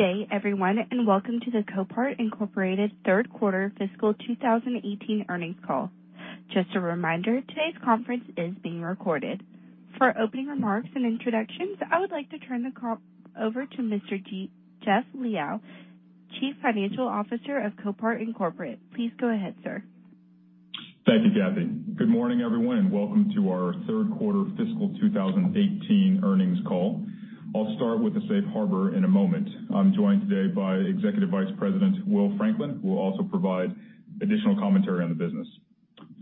Good day everyone, welcome to the Copart, Inc. third quarter fiscal 2018 earnings call. Just a reminder, today's conference is being recorded. For opening remarks and introductions, I would like to turn the call over to Mr. Jeff Liaw, Chief Financial Officer of Copart, Inc. Please go ahead, sir. Thank you, Cathy. Good morning, everyone, welcome to our third quarter fiscal 2018 earnings call. I'll start with the Safe Harbor in a moment. I'm joined today by Executive Vice President Will Franklin, who will also provide additional commentary on the business.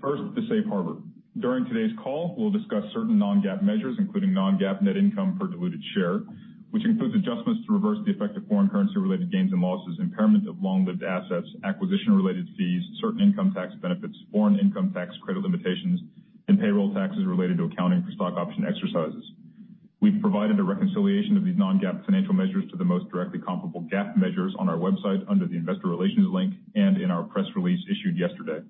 First, the Safe Harbor. During today's call, we'll discuss certain non-GAAP measures, including non-GAAP net income per diluted share, which includes adjustments to reverse the effect of foreign currency-related gains and losses, impairment of long-lived assets, acquisition-related fees, certain income tax benefits, foreign income tax credit limitations, and payroll taxes related to accounting for stock option exercises. We've provided a reconciliation of these non-GAAP financial measures to the most directly comparable GAAP measures on our website under the investor relations link and in our press release issued yesterday.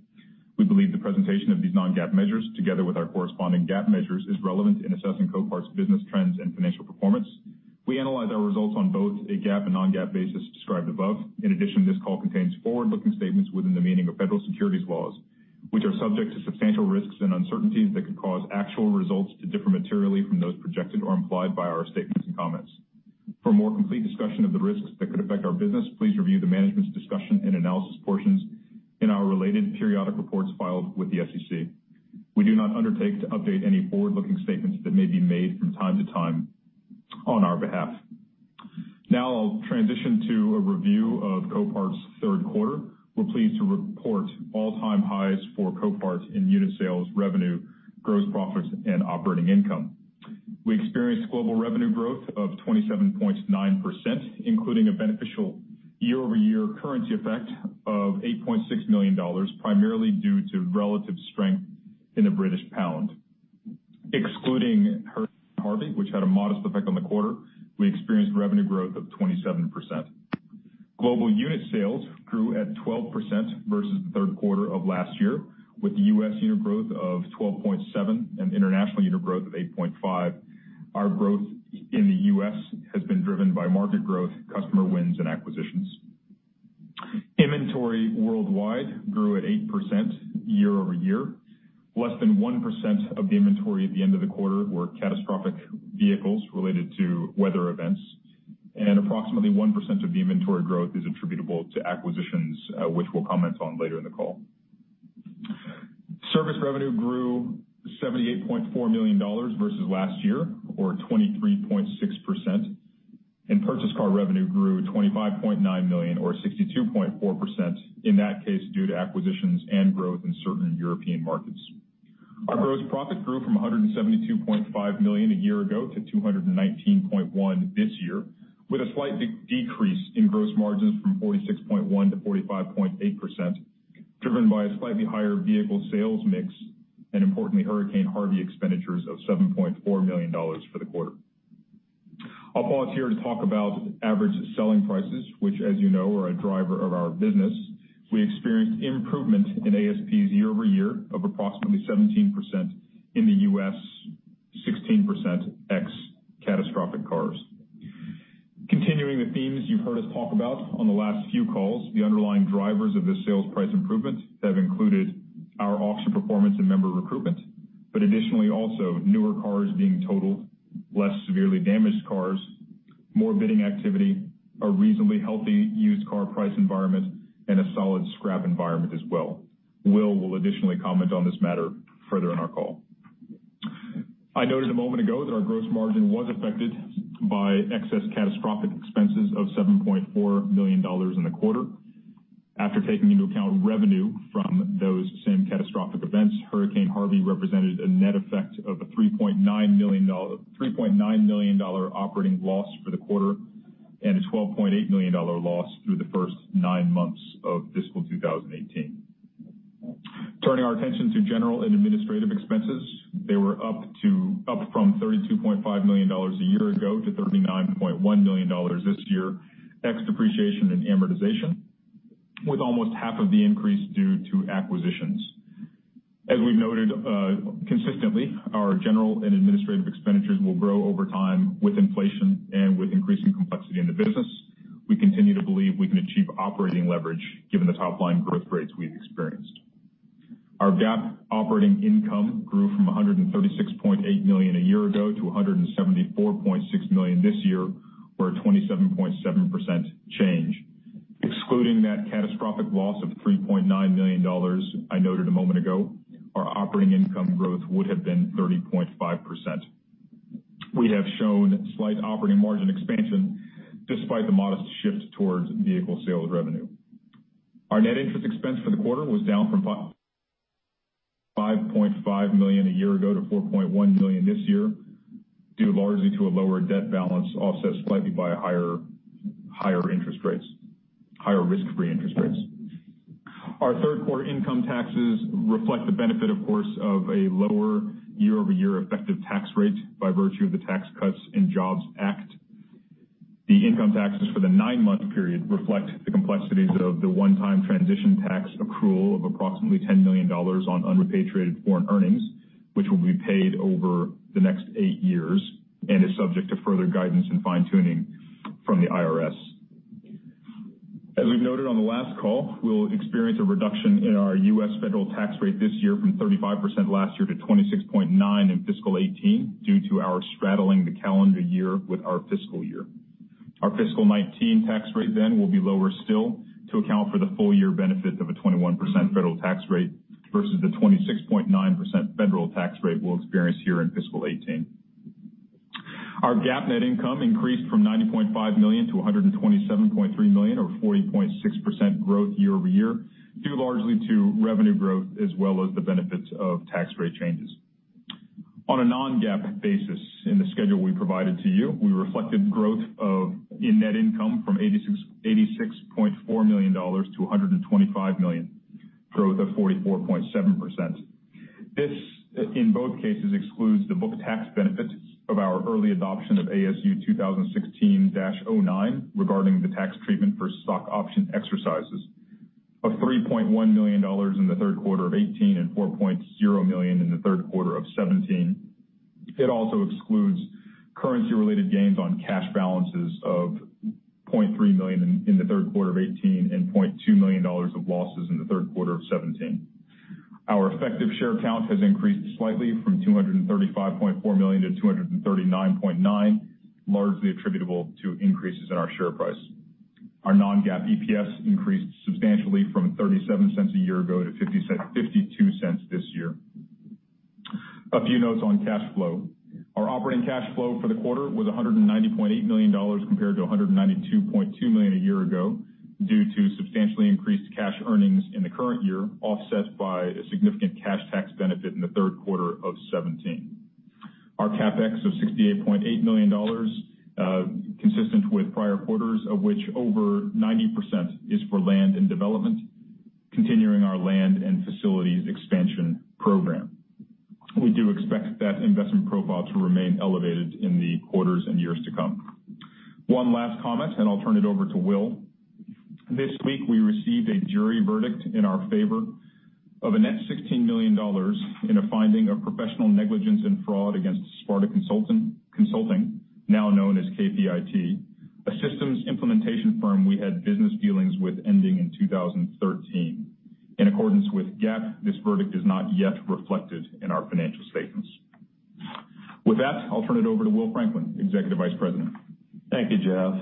We believe the presentation of these non-GAAP measures, together with our corresponding GAAP measures, is relevant in assessing Copart's business trends and financial performance. We analyze our results on both a GAAP and non-GAAP basis described above. In addition, this call contains forward-looking statements within the meaning of federal securities laws, which are subject to substantial risks and uncertainties that could cause actual results to differ materially from those projected or implied by our statements and comments. For a more complete discussion of the risks that could affect our business, please review the management's discussion and analysis portions in our related periodic reports filed with the SEC. We do not undertake to update any forward-looking statements that may be made from time to time on our behalf. I'll transition to a review of Copart's third quarter. We're pleased to report all-time highs for Copart in unit sales, revenue, gross profits and operating income. We experienced global revenue growth of 27.9%, including a beneficial year-over-year currency effect of $8.6 million, primarily due to relative strength in the British pound. Excluding Hurricane Harvey, which had a modest effect on the quarter, we experienced revenue growth of 27%. Global unit sales grew at 12% versus the third quarter of last year, with U.S. unit growth of 12.7% and international unit growth of 8.5%. Our growth in the U.S. has been driven by market growth, customer wins and acquisitions. Inventory worldwide grew at 8% year-over-year. Less than 1% of the inventory at the end of the quarter were catastrophic vehicles related to weather events, and approximately 1% of the inventory growth is attributable to acquisitions, which we'll comment on later in the call. Service revenue grew to $78.4 million versus last year, or 23.6%. Purchased car revenue grew to $25.9 million or 62.4%, in that case due to acquisitions and growth in certain European markets. Our gross profit grew from $172.5 million a year ago to $219.1 million this year, with a slight decrease in gross margins from 46.1% to 45.8%, driven by a slightly higher vehicle sales mix and importantly, Hurricane Harvey expenditures of $7.4 million for the quarter. I'll pause here to talk about average selling prices, which as you know, are a driver of our business. We experienced improvement in ASPs year-over-year of approximately 17% in the U.S., 16% ex catastrophic cars. Continuing the themes you've heard us talk about on the last few calls, the underlying drivers of the sales price improvements have included our auction performance and member recruitment, additionally also newer cars being totaled, less severely damaged cars, more bidding activity, a reasonably healthy used car price environment, and a solid scrap environment as well. Will additionally comment on this matter further in our call. I noted a moment ago that our gross margin was affected by excess catastrophic expenses of $7.4 million in the quarter. After taking into account revenue from those same catastrophic events, Hurricane Harvey represented a net effect of a $3.9 million operating loss for the quarter and a $12.8 million loss through the first nine months of fiscal 2018. Turning our attention to general and administrative expenses, they were up from $32.5 million a year ago to $39.1 million this year, ex depreciation and amortization, with almost half of the increase due to acquisitions. As we've noted consistently, our general and administrative expenditures will grow over time with inflation and with increasing complexity in the business. We continue to believe we can achieve operating leverage given the top-line growth rates we've experienced. Our GAAP operating income grew from $136.8 million a year ago to $174.6 million this year, or a 27.7% change. Excluding that catastrophic loss of $3.9 million I noted a moment ago, our operating income growth would have been 30.5%. We have shown slight operating margin expansion despite the modest shift towards vehicle sales revenue. Our net interest expense for the quarter was down from $5.5 million a year ago to $4.1 million this year, due largely to a lower debt balance, offset slightly by higher risk-free interest rates. Our third quarter income taxes reflect the benefit, of course, of a lower year-over-year effective tax rate by virtue of the Tax Cuts and Jobs Act. The income taxes for the nine-month period reflect the complexities of the one-time transition tax accrual of approximately $10 million on unrepatriated foreign earnings which will be paid over the next eight years and is subject to further guidance and fine-tuning from the IRS. As we've noted on the last call, we'll experience a reduction in our U.S. federal tax rate this year from 35% last year to 26.9% in fiscal 2018, due to our straddling the calendar year with our fiscal year. Our fiscal 2019 tax rate then will be lower still to account for the full year benefit of a 21% federal tax rate versus the 26.9% federal tax rate we'll experience here in fiscal 2018. Our GAAP net income increased from $90.5 million to $127.3 million or 40.6% growth year-over-year, due largely to revenue growth as well as the benefits of tax rate changes. On a non-GAAP basis, in the schedule we provided to you, we reflected growth in net income from $86.4 million to $125 million, growth of 44.7%. This, in both cases, excludes the book tax benefits of our early adoption of ASU 2016-09 regarding the tax treatment for stock option exercises of $3.1 million in the third quarter of 2018 and $4.0 million in the third quarter of 2017. It also excludes currency-related gains on cash balances of $0.3 million in the third quarter of 2018 and $0.2 million of losses in the third quarter of 2017. Our effective share count has increased slightly from 235.4 million to 239.9 million, largely attributable to increases in our share price. Our non-GAAP EPS increased substantially from $0.37 a year ago to $0.52 this year. A few notes on cash flow. Our operating cash flow for the quarter was $190.8 million compared to $192.2 million a year ago due to substantially increased cash earnings in the current year, offset by a significant cash tax benefit in the third quarter of 2017. Our CapEx of $68.8 million, consistent with prior quarters, of which over 90% is for land and development, continuing our land and facilities expansion program. We do expect that investment profile to remain elevated in the quarters and years to come. One last comment, and I'll turn it over to Will. This week, we received a jury verdict in our favor of a net $16 million in a finding of professional negligence and fraud against Sparta Consulting, now known as KPIT, a systems implementation firm we had business dealings with ending in 2013. In accordance with GAAP, this verdict is not yet reflected in our financial statements. With that, I'll turn it over to Will Franklin, Executive Vice President. Thank you, Jeff.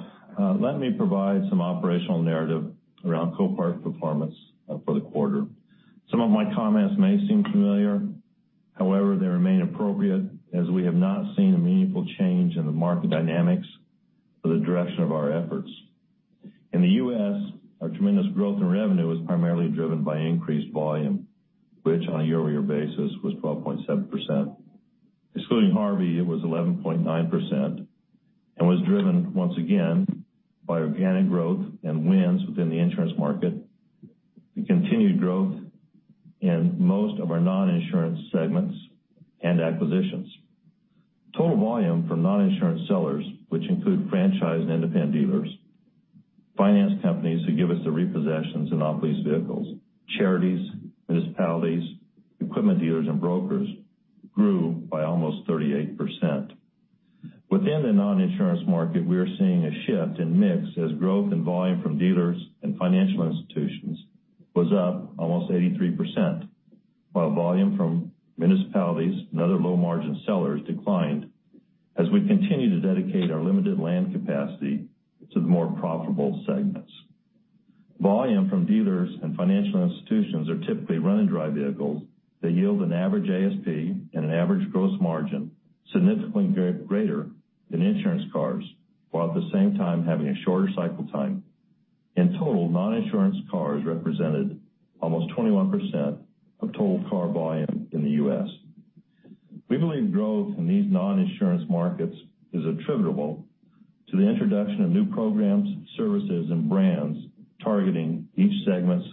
Let me provide some operational narrative around Copart performance for the quarter. Some of my comments may seem familiar. However, they remain appropriate as we have not seen a meaningful change in the market dynamics for the direction of our efforts. In the U.S., our tremendous growth in revenue is primarily driven by increased volume, which on a year-over-year basis was 12.7%. Excluding Hurricane Harvey, it was 11.9% and was driven, once again, by organic growth and wins within the insurance market, the continued growth in most of our non-insurance segments and acquisitions. Total volume from non-insurance sellers, which include franchise and independent dealers, finance companies who give us the repossessions and off-lease vehicles, charities, municipalities, equipment dealers, and brokers, grew by almost 38%. Within the non-insurance market, we are seeing a shift in mix as growth in volume from dealers and financial institutions was up almost 83%, while volume from municipalities and other low-margin sellers declined as we continue to dedicate our limited land capacity to the more profitable segments. Volume from dealers and financial institutions are typically run and drive vehicles that yield an average ASP and an average gross margin significantly greater than insurance cars, while at the same time having a shorter cycle time. In total, non-insurance cars represented almost 21% of total car volume in the U.S. We believe growth in these non-insurance markets is attributable to the introduction of new programs, services, and brands targeting each segment's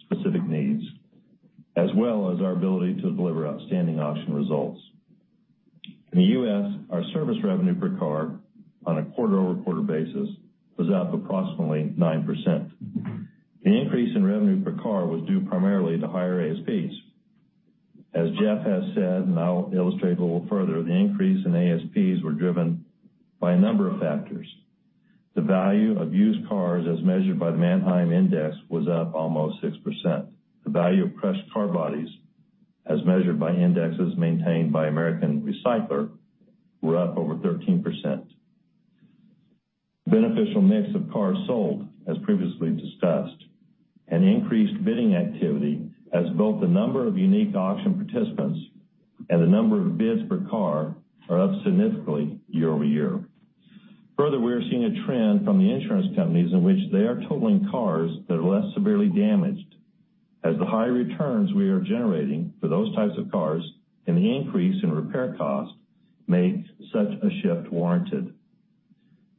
specific needs, as well as our ability to deliver outstanding auction results. In the U.S., our service revenue per car on a quarter-over-quarter basis was up approximately 9%. The increase in revenue per car was due primarily to higher ASPs. As Jeff has said, and I'll illustrate a little further, the increase in ASPs were driven by a number of factors. The value of used cars as measured by the Manheim Index was up almost 6%. The value of crushed car bodies, as measured by indexes maintained by American Recycler, were up over 13%. Beneficial mix of cars sold, as previously discussed, and increased bidding activity as both the number of unique auction participants and the number of bids per car are up significantly year-over-year. Further, we are seeing a trend from the insurance companies in which they are totaling cars that are less severely damaged as the high returns we are generating for those types of cars and the increase in repair cost made such a shift warranted.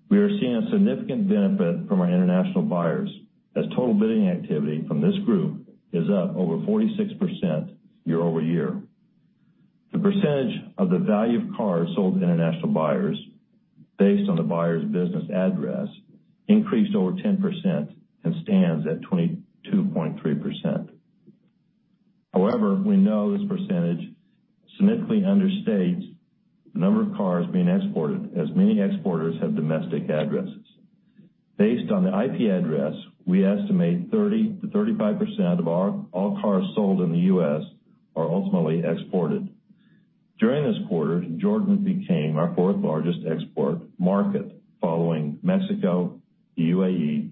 We are seeing a significant benefit from our international buyers as total bidding activity from this group is up over 46% year-over-year. The percentage of the value of cars sold to international buyers Based on the buyer's business address, increased over 10% and stands at 22.3%. However, we know this percentage significantly understates the number of cars being exported, as many exporters have domestic addresses. Based on the IP address, we estimate 30%-35% of all cars sold in the U.S. are ultimately exported. During this quarter, Jordan became our fourth largest export market, following Mexico, the UAE,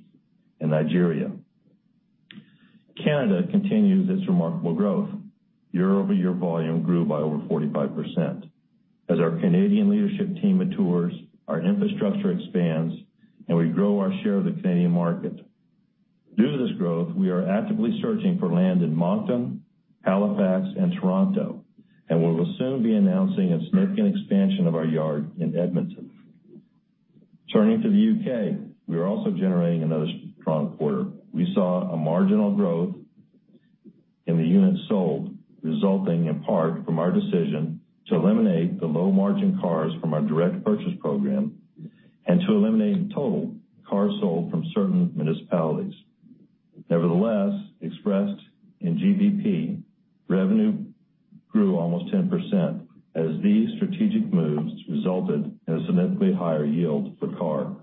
and Nigeria. Canada continues its remarkable growth. Year-over-year volume grew by over 45%. As our Canadian leadership team matures, our infrastructure expands, and we grow our share of the Canadian market. Due to this growth, we are actively searching for land in Moncton, Halifax, and Toronto, and we will soon be announcing a significant expansion of our yard in Edmonton. Turning to the U.K., we are also generating another strong quarter. We saw a marginal growth in the units sold, resulting in part from our decision to eliminate the low-margin cars from our direct purchase program and to eliminate, in total, cars sold from certain municipalities. Nevertheless, expressed in GBP, revenue grew almost 10%, as these strategic moves resulted in a significantly higher yield per car.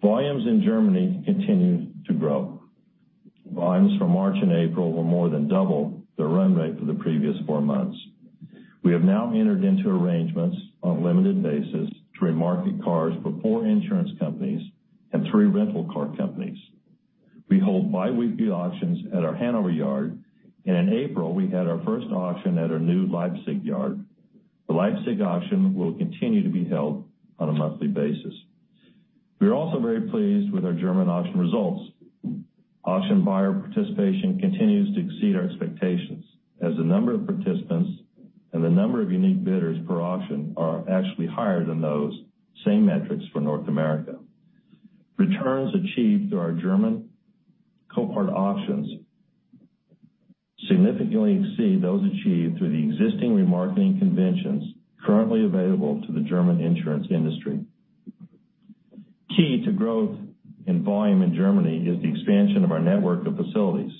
Volumes in Germany continue to grow. Volumes for March and April were more than double the run rate for the previous four months. We have now entered into arrangements on a limited basis to remarket cars for four insurance companies and three rental car companies. We hold biweekly auctions at our Hanover yard. In April, we had our first auction at our new Leipzig yard. The Leipzig auction will continue to be held on a monthly basis. We are also very pleased with our German auction results. Auction buyer participation continues to exceed our expectations, as the number of participants and the number of unique bidders per auction are actually higher than those same metrics for North America. Returns achieved through our German Copart auctions significantly exceed those achieved through the existing remarketing conventions currently available to the German insurance industry. Key to growth in volume in Germany is the expansion of our network of facilities.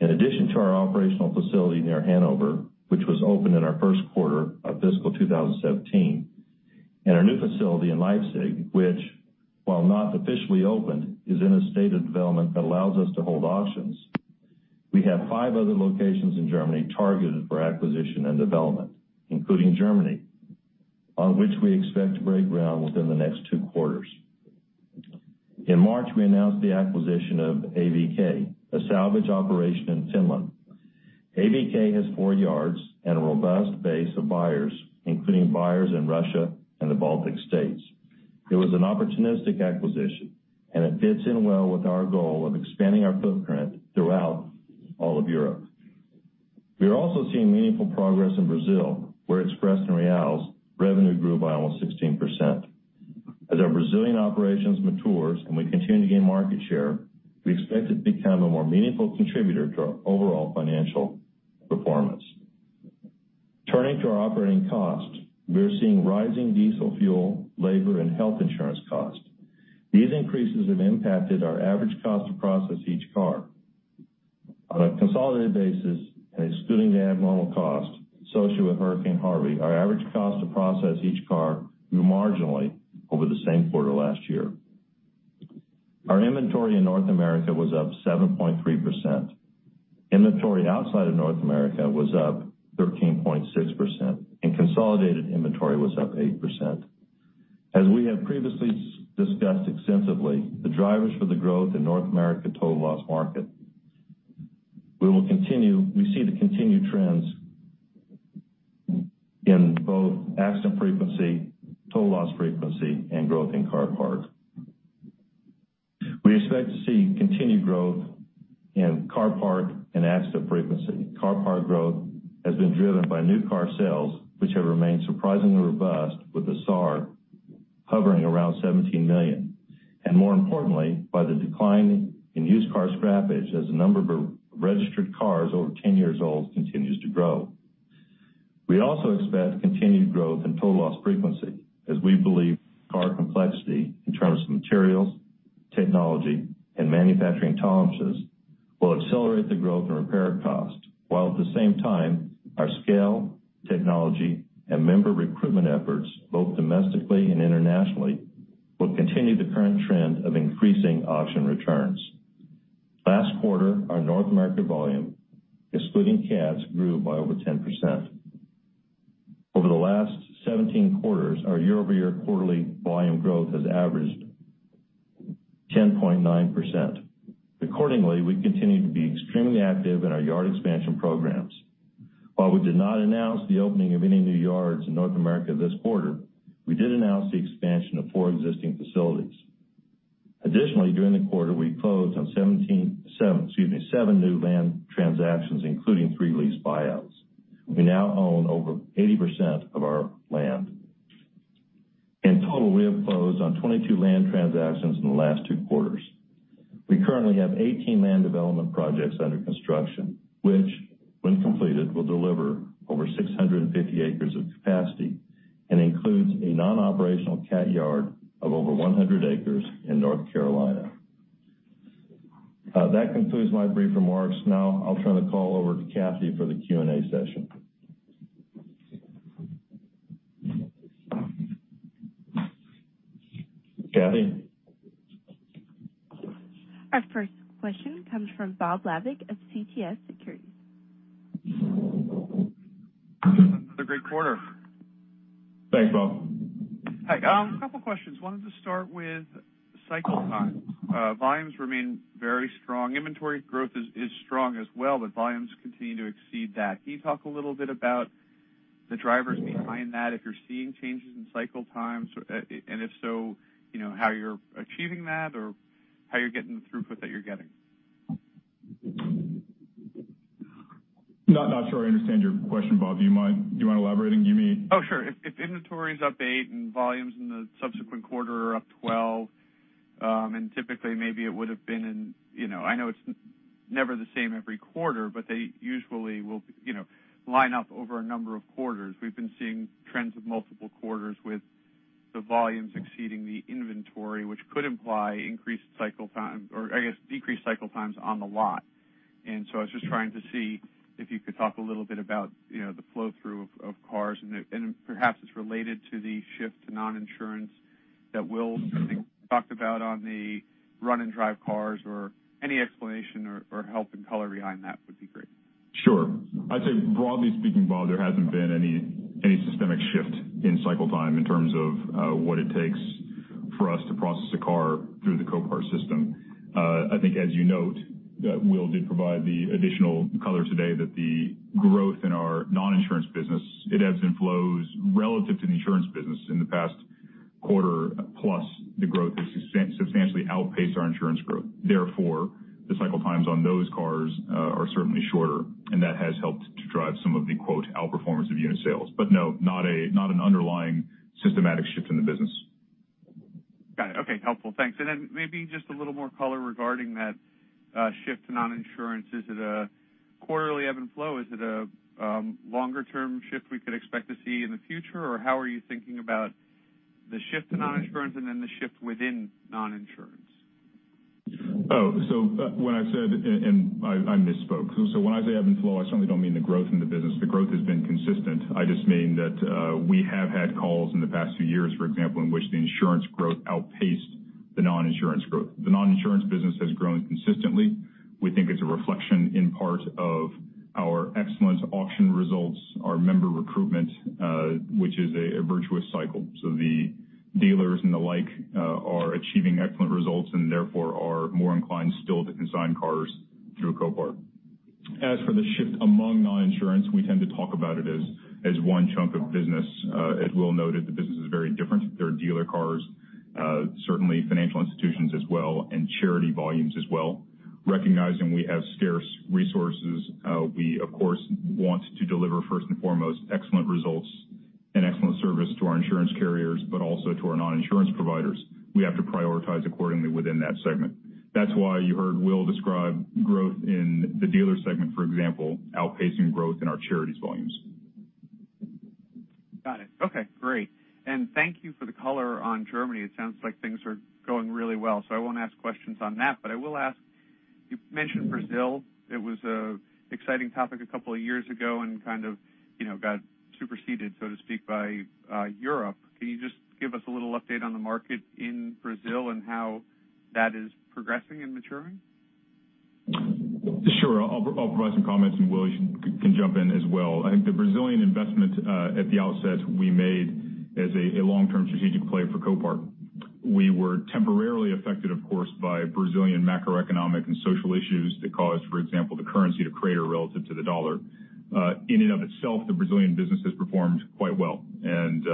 In addition to our operational facility near Hanover, which was opened in our first quarter of fiscal 2017, our new facility in Leipzig, which, while not officially opened, is in a state of development that allows us to hold auctions. We have five other locations in Germany targeted for acquisition and development, including Germany, on which we expect to break ground within the next two quarters. In March, we announced the acquisition of AVK, a salvage operation in Finland. AVK has four yards and a robust base of buyers, including buyers in Russia and the Baltic States. It was an opportunistic acquisition. It fits in well with our goal of expanding our footprint throughout all of Europe. We are also seeing meaningful progress in Brazil, where expressed in BRL, revenue grew by almost 16%. As our Brazilian operations matures, we continue to gain market share. We expect it to become a more meaningful contributor to our overall financial performance. Turning to our operating cost. We are seeing rising diesel fuel, labor, and health insurance cost. These increases have impacted our average cost to process each car. On a consolidated basis and excluding the abnormal cost associated with Hurricane Harvey, our average cost to process each car grew marginally over the same quarter last year. Our inventory in North America was up 7.3%. Inventory outside of North America was up 13.6%. Consolidated inventory was up 8%. As we have previously discussed extensively, the drivers for the growth in North America total loss market, we see the continued trends in both accident frequency, total loss frequency, and growth in car parks. We expect to see continued growth in car park and accident frequency. Car park growth has been driven by new car sales, which have remained surprisingly robust with the SAR hovering around 17 million. More importantly, by the decline in used car scrappage as the number of registered cars over 10 years old continues to grow. We also expect continued growth in total loss frequency, as we believe car complexity in terms of materials, technology, and manufacturing tolerances will accelerate the growth and repair cost. At the same time, our scale, technology, and member recruitment efforts, both domestically and internationally, will continue the current trend of increasing auction returns. Last quarter, our North American volume, excluding CATs, grew by over 10%. Over the last 17 quarters, our year-over-year quarterly volume growth has averaged 10.9%. We continue to be extremely active in our yard expansion programs. While we did not announce the opening of any new yards in North America this quarter, we did announce the expansion of 4 existing facilities. Additionally, during the quarter, we closed on 7 new land transactions, including 3 lease buyouts. We now own over 80% of our land. In total, we have closed on 22 land transactions in the last 2 quarters. We currently have 18 land development projects under construction, which when completed, will deliver over 650 acres of capacity and includes a non-operational cat yard of over 100 acres in North Carolina. That concludes my brief remarks. I'll turn the call over to Kathy for the Q&A session. Kathy? Our first question comes from Bob Labick of CJS Securities. Another great quarter. Thanks, Bob. Hi. A couple questions. Wanted to start with cycle time. Volumes remain very strong. Inventory growth is strong as well, but volumes continue to exceed that. Can you talk a little bit about the drivers behind that, if you're seeing changes in cycle times, and if so, how you're achieving that or how you're getting the throughput that you're getting? Not sure I understand your question, Bob. Do you mind elaborating? Oh, sure. If inventory's up eight and volumes in the subsequent quarter are up 12, and typically maybe it would've been in I know it's never the same every quarter, but they usually will line up over a number of quarters. We've been seeing trends of multiple quarters with the volumes exceeding the inventory, which could imply increased cycle time or I guess decreased cycle times on the lot. I was just trying to see if you could talk a little bit about the flow-through of cars, and perhaps it's related to the shift to non-insurance that Will I think talked about on the run-and-drive cars or any explanation or help and color behind that would be great. Sure. I'd say broadly speaking, Bob, there hasn't been any systemic shift in cycle time in terms of what it takes for us to process a car through the Copart system. I think as you note, Will did provide the additional color today that the growth in our non-insurance business, it ebbs and flows relative to the insurance business in the past quarter, plus the growth has substantially outpaced our insurance growth. Therefore, the cycle times on those cars are certainly shorter, and that has helped to drive some of the, quote, "outperformance of unit sales." No, not an underlying systematic shift in the business. Got it. Okay. Helpful. Thanks. Maybe just a little more color regarding that shift to non-insurance. Is it a quarterly ebb and flow? Is it a longer-term shift we could expect to see in the future? How are you thinking about the shift to non-insurance and then the shift within non-insurance? When I said, and I misspoke. When I say ebb and flow, I certainly don't mean the growth in the business. The growth has been consistent. I just mean that we have had calls in the past few years, for example, in which the insurance growth outpaced the non-insurance growth. The non-insurance business has grown consistently. We think it's a reflection in part of our excellent auction results, our member recruitment, which is a virtuous cycle. The dealers and the like are achieving excellent results and therefore are more inclined still to consign cars through Copart. As for the shift among non-insurance, we tend to talk about it as one chunk of business. As Will noted, the business is very different. There are dealer cars, certainly financial institutions as well, and charity volumes as well. Recognizing we have scarce resources, we of course want to deliver first and foremost excellent results and excellent service to our insurance carriers, but also to our non-insurance providers. We have to prioritize accordingly within that segment. That's why you heard Will describe growth in the dealer segment, for example, outpacing growth in our charities volumes. Got it. Okay, great. Thank you for the color on Germany. It sounds like things are going really well, I won't ask questions on that, but I will ask, you mentioned Brazil, it was an exciting topic a couple of years ago and kind of got superseded, so to speak, by Europe. Can you just give us a little update on the market in Brazil and how that is progressing and maturing? Sure. I'll provide some comments and Will can jump in as well. I think the Brazilian investment, at the outset, we made as a long-term strategic play for Copart. We were temporarily affected, of course, by Brazilian macroeconomic and social issues that caused, for example, the currency to crater relative to the dollar. In and of itself, the Brazilian business has performed quite well and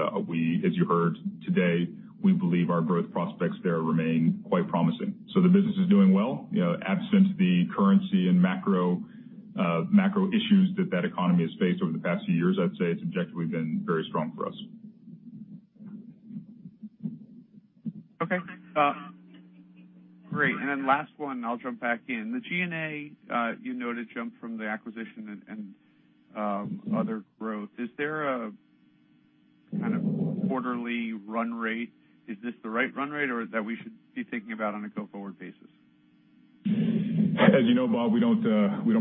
as you heard today, we believe our growth prospects there remain quite promising. The business is doing well. Absent the currency and macro issues that economy has faced over the past few years, I'd say it's objectively been very strong for us. Okay. Great. Then last one, and I'll jump back in. The G&A, you noted, jumped from the acquisition and other growth. Is there a kind of quarterly run rate? Is this the right run rate or that we should be thinking about on a go-forward basis? As you know, Bob, we don't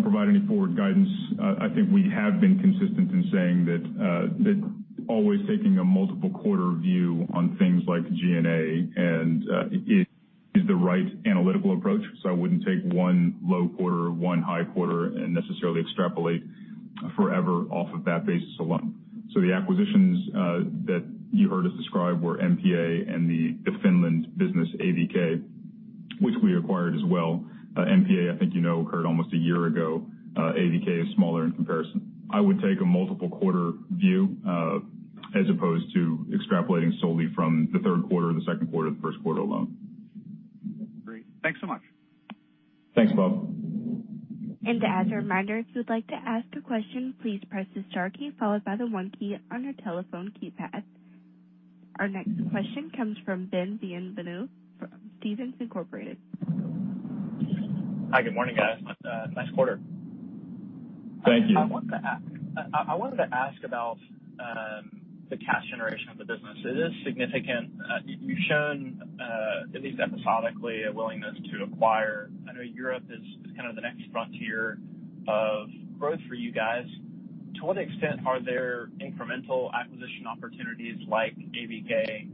provide any forward guidance. I think we have been consistent in saying that always taking a multiple quarter view on things like G&A and it is the right analytical approach. I wouldn't take one low quarter or one high quarter and necessarily extrapolate forever off of that basis alone. The acquisitions that you heard us describe were MSPA and the Finland business, AVK, which we acquired as well. MSPA, I think you know, occurred almost one year ago. AVK is smaller in comparison. I would take a multiple quarter view, as opposed to extrapolating solely from the third quarter or the second quarter or the first quarter alone. Great. Thanks so much. Thanks, Bob. As a reminder, if you'd like to ask a question, please press the star key followed by the one key on your telephone keypad. Our next question comes from Ben Bienvenu from Stephens Incorporated. Hi, good morning, guys. Nice quarter. Thank you. I wanted to ask about the cash generation of the business. It is significant. You've shown, at least episodically, a willingness to acquire. I know Europe is kind of the next frontier of growth for you guys. To what extent are there incremental acquisition opportunities like AVK,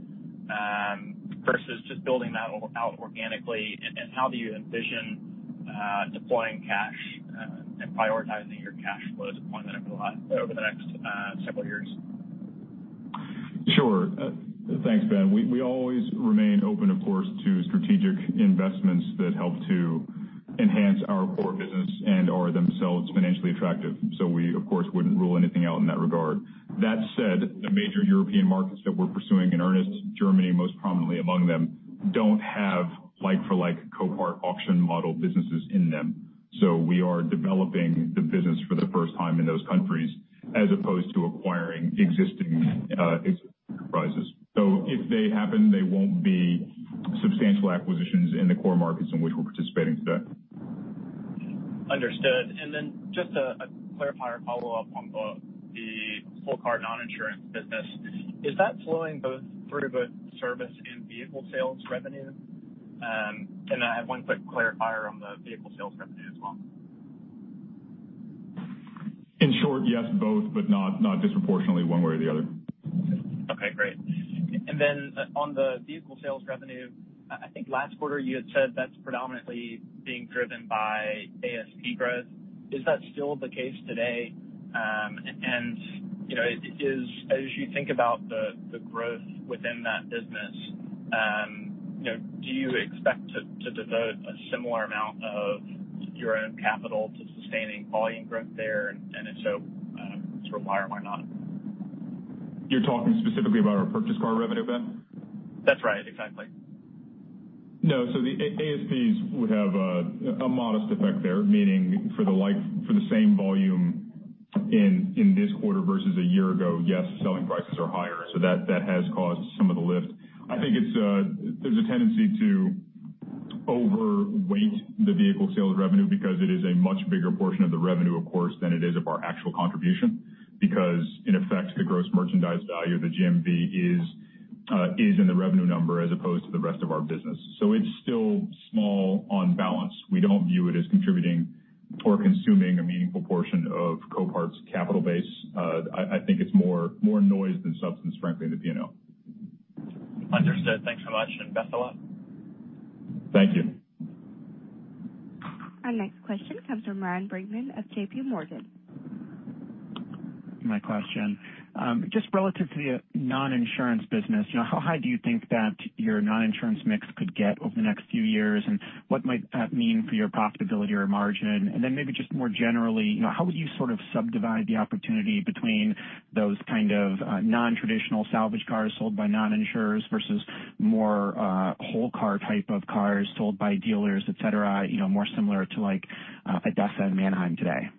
versus just building that out organically? How do you envision deploying cash and prioritizing your cash flows deployment over the next several years? Sure. Thanks, Ben. We always remain open, of course, to strategic investments that help to enhance our core business and are themselves financially attractive. We, of course, wouldn't rule anything out in that regard. That said, the major European markets that we're pursuing in earnest, Germany most prominently among them, don't have like-for-like Copart auction model businesses in them. We are developing the business for the first time in those countries as opposed to acquiring existing enterprises. If they happen, they won't be substantial acquisitions in the core markets in which we're participating today. Understood. Then just a clarifier follow-up on the whole car non-insurance business. Is that flowing both through both service and vehicle sales revenue? I have one quick clarifier on the vehicle sales revenue as well. In short, yes, both, but not disproportionately one way or the other. Okay, great. On the vehicle sales revenue, I think last quarter you had said that's predominantly being driven by ASP growth. Is that still the case today? As you think about the growth within that business, do you expect to devote a similar amount of your own capital to sustaining volume growth there? If so, why or why not? You're talking specifically about our purchased car revenue, Ben? That's right, exactly. No. The ASPs would have a modest effect there, meaning for the same volume in this quarter versus a year ago, yes, selling prices are higher. That has caused some of the lift. I think there's a tendency to overweight the vehicle sales revenue because it is a much bigger portion of the revenue, of course, than it is of our actual contribution. In effect, the gross merchandise value, the GMV, is in the revenue number as opposed to the rest of our business. It's still small on balance. We don't view it as contributing or consuming a meaningful portion of Copart's capital base. I think it's more noise than substance, frankly, in the P&L. Understood. Thanks so much, and best of luck. Thank you. Our next question comes from Ryan Brinkman of J.P. Morgan. My question, just relative to the non-insurance business, how high do you think that your non-insurance mix could get over the next few years, and what might that mean for your profitability or margin? Maybe just more generally, how would you sort of subdivide the opportunity between those kind of non-traditional salvage cars sold by non-insurers versus more whole car type of cars sold by dealers, et cetera, more similar to like ADESA and Manheim today?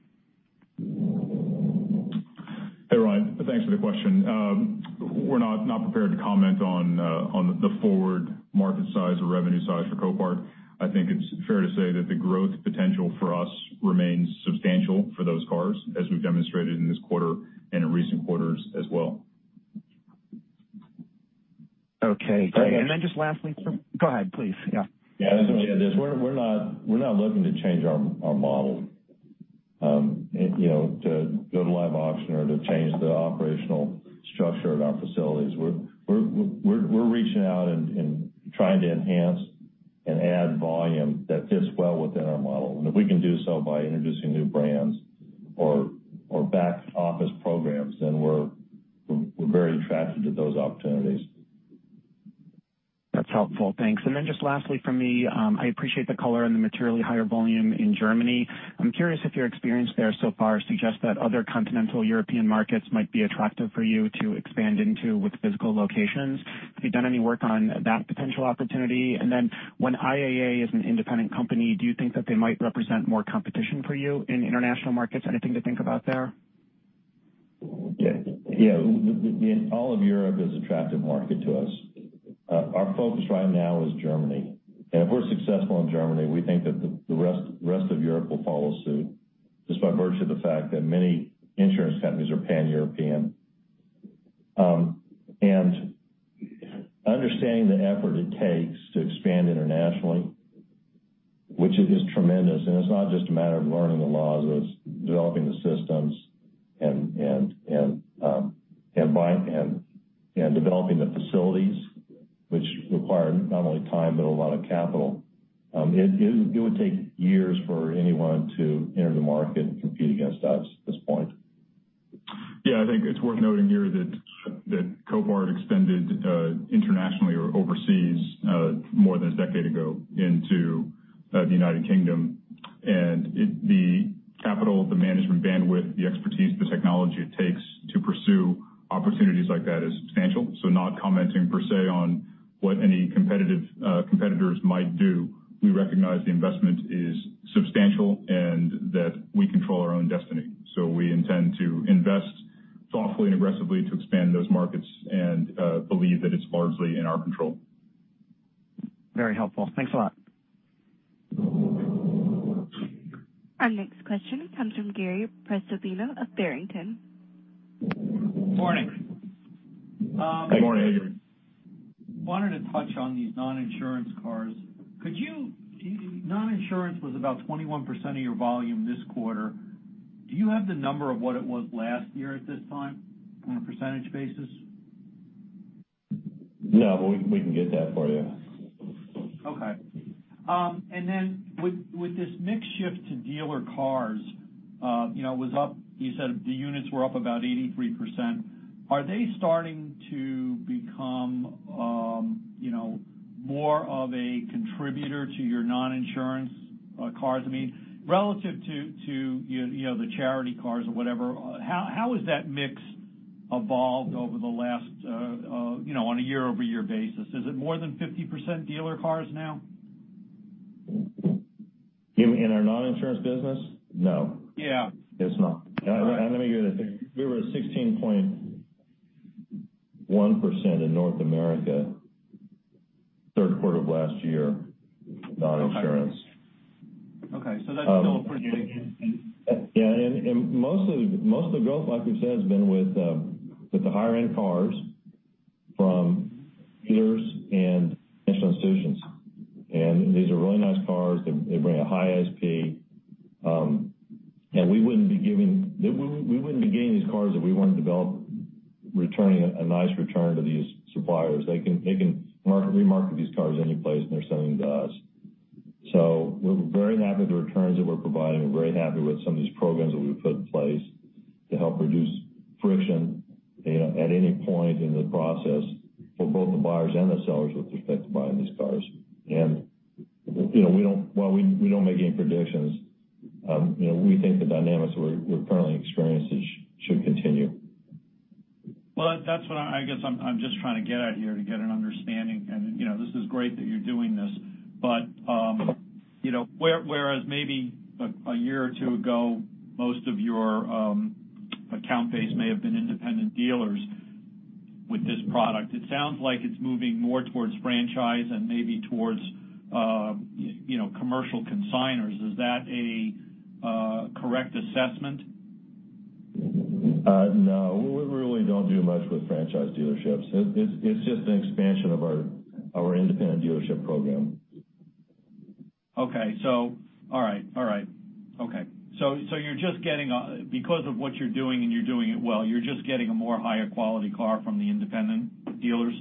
Hey, Ryan. Thanks for the question. We're not prepared to comment on the forward market size or revenue size for Copart. I think it's fair to say that the growth potential for us remains substantial for those cars, as we've demonstrated in this quarter and in recent quarters as well. Okay. Just lastly. Go ahead, please. Yeah. Yeah, I was going to add this. We're not looking to change our model to go to live auction or to change the operational structure at our facilities. We're reaching out and trying to enhance and add volume that fits well within our model. If we can do so by introducing new brands or back office programs, then we're very attracted to those opportunities. That's helpful. Thanks. Just lastly from me, I appreciate the color and the materially higher volume in Germany. I'm curious if your experience there so far suggests that other continental European markets might be attractive for you to expand into with physical locations. Have you done any work on that potential opportunity? When IAA is an independent company, do you think that they might represent more competition for you in international markets? Anything to think about there? Yeah. All of Europe is attractive market to us. Our focus right now is Germany. If we're successful in Germany, we think that the rest of Europe will follow suit, just by virtue of the fact that many insurance companies are Pan-European. Understanding the effort it takes to expand internationally, which is tremendous, and it's not just a matter of learning the laws, it's developing the systems and developing the facilities, which require not only time, but a lot of capital. It would take years for anyone to enter the market and compete against us at this point. Yeah, I think it's worth noting here that Copart extended internationally or overseas more than a decade ago into the U.K. Capital, the management bandwidth, the expertise, the technology it takes to pursue opportunities like that is substantial. Not commenting per se on what any competitors might do. We recognize the investment is substantial and that we control our own destiny. We intend to invest thoughtfully and aggressively to expand those markets and believe that it's largely in our control. Very helpful. Thanks a lot. Our next question comes from Gary Prestopino of Barrington. Morning. Good morning. Wanted to touch on these non-insurance cars. Non-insurance was about 21% of your volume this quarter. Do you have the number of what it was last year at this time on a percentage basis? No, we can get that for you. Okay. With this mix shift to dealer cars, you said the units were up about 83%. Are they starting to become more of a contributor to your non-insurance cars? Relative to the charity cars or whatever, how has that mix evolved on a year-over-year basis? Is it more than 50% dealer cars now? In our non-insurance business? No. Yeah. It's not. Let me give you the figure. We were at 16.1% in North America, third quarter of last year, non-insurance. Okay. That's still a pretty big piece. Yeah. Most of the growth, like we've said, has been with the higher-end cars from dealers and financial institutions. These are really nice cars. They bring a high SP. We wouldn't be getting these cars if we weren't returning a nice return to these suppliers. They can remarket these cars any place, and they're selling them to us. We're very happy with the returns that we're providing and very happy with some of these programs that we've put in place to help reduce friction at any point in the process for both the buyers and the sellers with respect to buying these cars. While we don't make any predictions, we think the dynamics we're currently experiencing should continue. Well, that's what I guess I'm just trying to get at here, to get an understanding. This is great that you're doing this, but whereas maybe a year or two ago, most of your account base may have been independent dealers with this product. It sounds like it's moving more towards franchise and maybe towards commercial consignors. Is that a correct assessment? No. We really don't do much with franchise dealerships. It's just an expansion of our independent dealership program. Okay. All right. Because of what you're doing, and you're doing it well, you're just getting a more higher quality car from the independent dealers?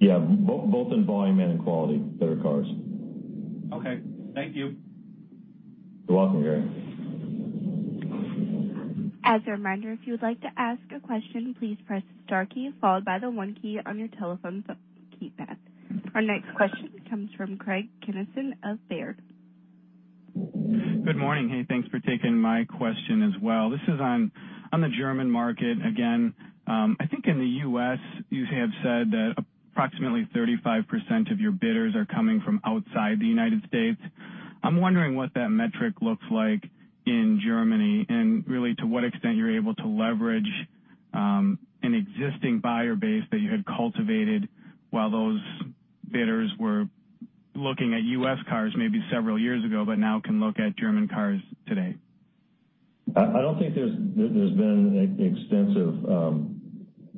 Yeah, both in volume and in quality. Better cars. Okay. Thank you. You're welcome, Gary. As a reminder, if you would like to ask a question, please press star key followed by the one key on your telephone keypad. Our next question comes from Craig Kennison of Baird. Good morning. Hey, thanks for taking my question as well. This is on the German market again. I think in the U.S. you have said that approximately 35% of your bidders are coming from outside the United States. I'm wondering what that metric looks like in Germany and really to what extent you're able to leverage an existing buyer base that you had cultivated while those bidders were looking at U.S. cars maybe several years ago but now can look at German cars today. I don't think there's been extensive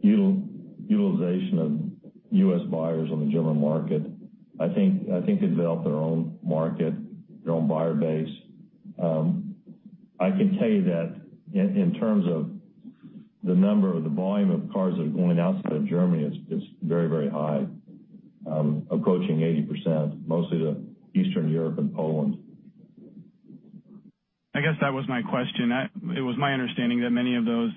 utilization of U.S. buyers on the German market. I think they've built their own market, their own buyer base. I can tell you that in terms of the number or the volume of cars that are going outside of Germany, it's very high. Approaching 80%, mostly to Eastern Europe and Poland. I guess that was my question. It was my understanding that many of those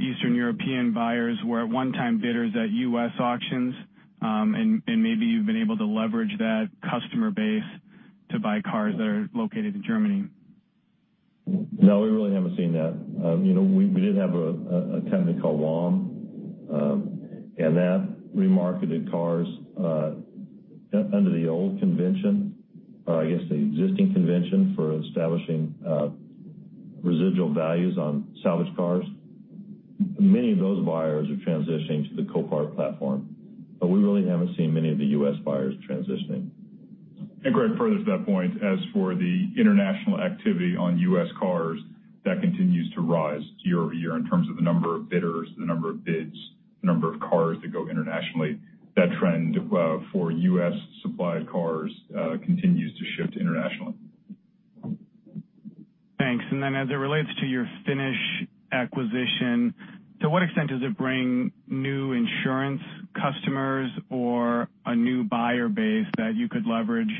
Eastern European buyers were at one time bidders at U.S. auctions. Maybe you've been able to leverage that customer base to buy cars that are located in Germany. No, we really haven't seen that. We did have a company called WOM, that remarketed cars under the old convention, I guess the existing convention for establishing residual values on salvage cars. Many of those buyers are transitioning to the Copart platform, we really haven't seen many of the U.S. buyers transitioning. Craig, further to that point, as for the international activity on U.S. cars, that continues to rise year-over-year in terms of the number of bidders, the number of bids, the number of cars that go internationally. That trend for U.S.-supplied cars continues to shift internationally. Thanks. Then as it relates to your Finnish acquisition, to what extent does it bring new insurance customers or a new buyer base that you could leverage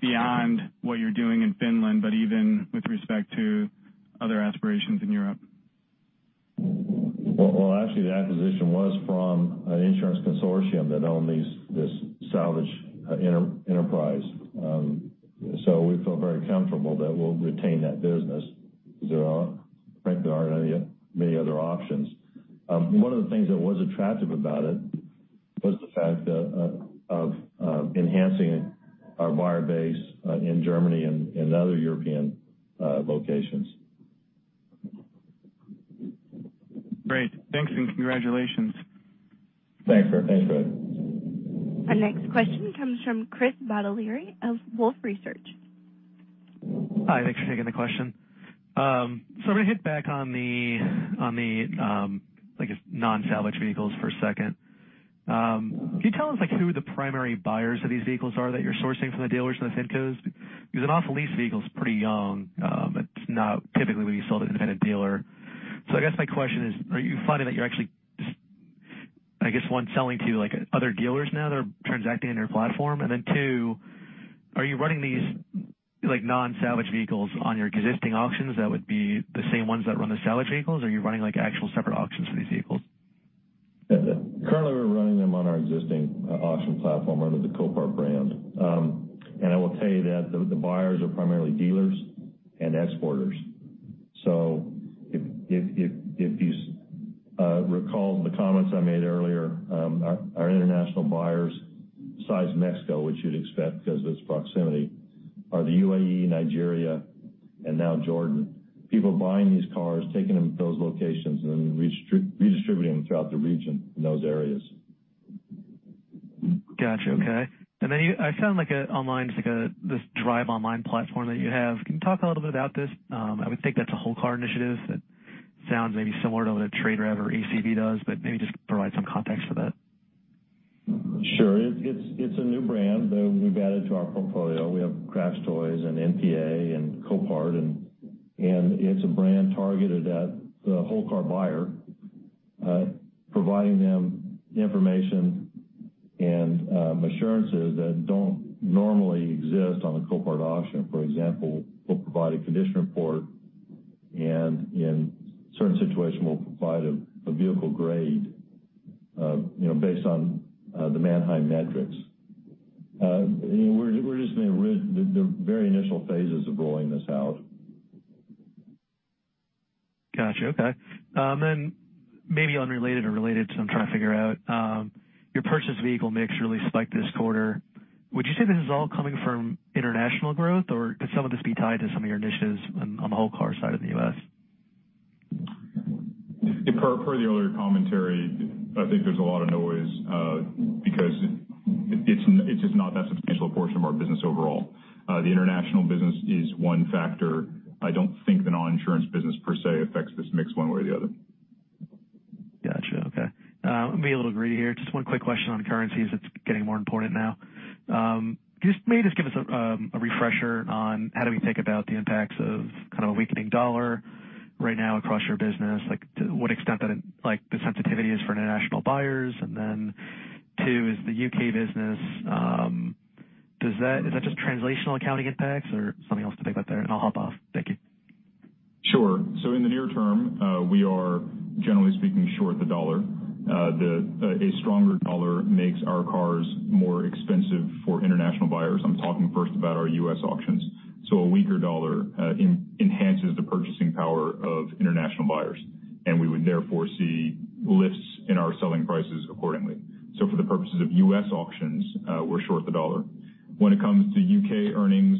beyond what you're doing in Finland, but even with respect to other aspirations in Europe? Well, actually, the acquisition was from an insurance consortium that owned this salvage enterprise. We feel very comfortable that we'll retain that business because there aren't many other options. One of the things that was attractive about it was the fact of enhancing our buyer base in Germany and other European locations. Great. Thanks and congratulations. Thanks, Craig. Our next question comes from Chris Bottiglieri of Wolfe Research. Hi. Thanks for taking the question. I'm going to hit back on the non-salvage vehicles for a second. Can you tell us who the primary buyers of these vehicles are that you're sourcing from the dealers and the fincos? An off-lease vehicle's pretty young. It's not typically what you sell to an independent dealer. I guess my question is, are you finding that you're actually, I guess, 1, selling to other dealers now that are transacting on your platform? Are you running these non-salvage vehicles on your existing auctions that would be the same ones that run the salvage vehicles? Are you running actual separate auctions for these vehicles? Currently, we're running them on our existing auction platform under the Copart brand. I will tell you that the buyers are primarily dealers and exporters. If you recall the comments I made earlier our international buyers, besides Mexico, which you'd expect because of its proximity, are the UAE, Nigeria, and now Jordan. People buying these cars, taking them to those locations, and then redistributing them throughout the region in those areas. Got you. Okay. I found online this DRIVE Auto Auctions platform that you have. Can you talk a little bit about this? I would think that's a whole car initiative that sounds maybe similar to what a TradeRev or ACV does, but maybe just provide some context for that. Sure. It's a new brand that we've added to our portfolio. We have CrashedToys and NPA and Copart, and it's a brand targeted at the whole car buyer providing them information and assurances that don't normally exist on a Copart auction. For example, we'll provide a condition report and in certain situations we'll provide a vehicle grade based on the Manheim metrics. We're just in the very initial phases of rolling this out. Got you. Okay. Maybe unrelated or related, because I'm trying to figure out your purchased vehicle mix really spiked this quarter. Would you say this is all coming from international growth, or could some of this be tied to some of your initiatives on the whole car side in the U.S.? Per the earlier commentary, I think there's a lot of noise because it's just not that substantial a portion of our business overall. The international business is one factor. I don't think the non-insurance business per se affects this mix one way or the other. Got you. Okay. I'm being a little greedy here. Just one quick question on currencies. It's getting more important now. Can you just maybe give us a refresher on how do we think about the impacts of a weakening dollar right now across your business? To what extent the sensitivity is for international buyers, and then two is the U.K. business. Is that just translational accounting impacts or something else to think about there? I'll hop off. Thank you. Sure. In the near term, we are generally speaking short the dollar. A stronger dollar makes our cars more expensive for international buyers. I'm talking first about our U.S. auctions. A weaker dollar enhances the purchasing power of international buyers, and we would therefore see lifts in our selling prices accordingly. For the purposes of U.S. auctions, we're short the dollar. When it comes to U.K. earnings,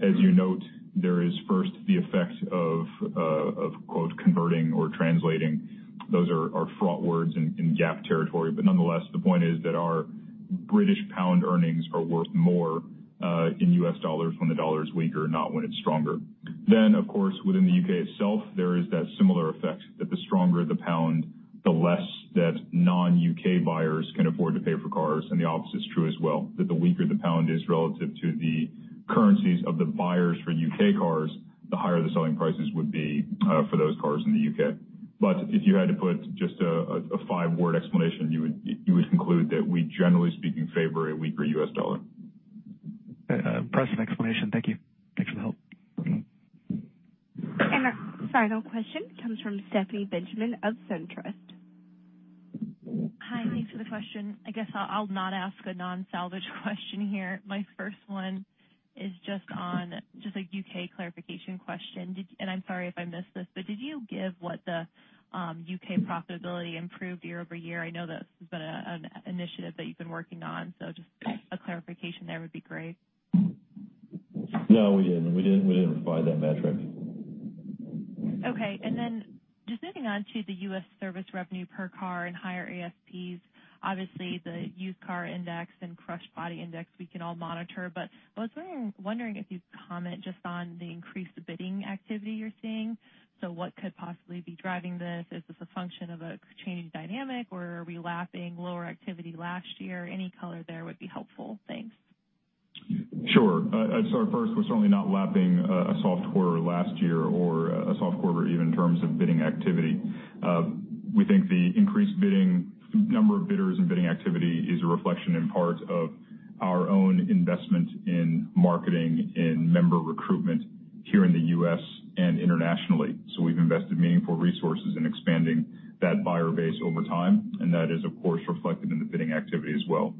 as you note, there is first the effect of quote, "converting or translating." Those are fraught words in GAAP territory. Nonetheless, the point is that our British pound earnings are worth more in U.S. dollars when the dollar is weaker, not when it's stronger. Of course, within the U.K. itself, there is that similar effect that the stronger the pound, the less that non-U.K. buyers can afford to pay for cars, and the opposite is true as well, that the weaker the pound is relative to the currencies of the buyers for U.K. cars, the higher the selling prices would be for those cars in the U.K. If you had to put just a five-word explanation, you would conclude that we generally speaking favor a weaker U.S. dollar. Impressive explanation. Thank you. Thanks for the help. Our final question comes from Stephanie Benjamin of SunTrust. Hi, thanks for the question. I guess I'll not ask a non-salvage question here. My first one is just a U.K. clarification question. I'm sorry if I missed this, but did you give what the U.K. profitability improved year-over-year? I know that this has been an initiative that you've been working on, just a clarification there would be great. No, we didn't. We didn't provide that metric. Okay. Just moving on to the U.S. service revenue per car and higher ASPs. Obviously, the Manheim Used Vehicle Value Index and crushed body index we can all monitor, I was wondering if you'd comment just on the increased bidding activity you're seeing. What could possibly be driving this? Is this a function of a changing dynamic, or are we lapping lower activity last year? Any color there would be helpful. Thanks. Sure. First, we're certainly not lapping a soft quarter last year or a soft quarter even in terms of bidding activity. We think the increased number of bidders and bidding activity is a reflection in part of our own investment in marketing and member recruitment here in the U.S. and internationally. We've invested meaningful resources in expanding that buyer base over time, that is, of course, reflected in the bidding activity as well.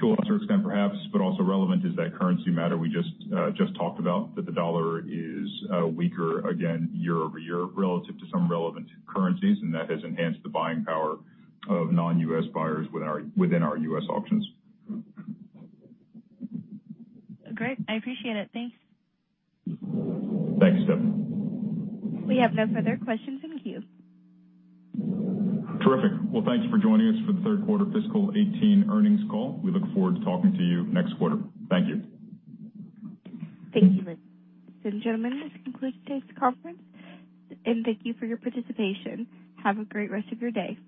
To a lesser extent, perhaps, also relevant is that currency matter we just talked about, that the dollar is weaker again year-over-year relative to some relevant currencies, that has enhanced the buying power of non-U.S. buyers within our U.S. auctions. Great. I appreciate it. Thanks. Thanks, Steph. We have no further questions in the queue. Terrific. Well, thank you for joining us for the third quarter fiscal 2018 earnings call. We look forward to talking to you next quarter. Thank you. Thank you. Ladies and gentlemen, this concludes today's conference, and thank you for your participation. Have a great rest of your day.